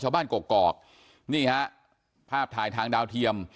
ชาวบ้านกรกกอกเนี่ยฮะภาพถ่ายทางดาวเทียม